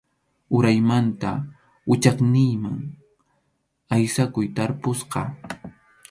Uraymanta wichayniqman aysakuq tarpusqa.